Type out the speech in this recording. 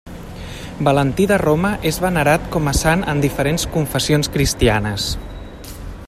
Valentí de Roma és venerat com a sant en diferents confessions cristianes.